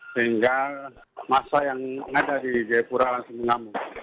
sehingga masa yang ada di jayapura langsung mengamuk